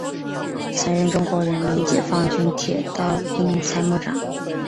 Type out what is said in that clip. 曾任中国人民解放军铁道兵参谋长。